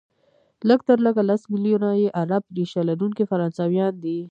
لږ تر لږه لس ملیونه یې عرب ریشه لرونکي فرانسویان دي،